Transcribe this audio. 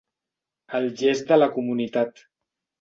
El llest de la comunitat.